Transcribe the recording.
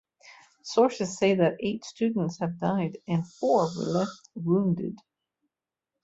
Sources say that eight students have died and four were left wounded.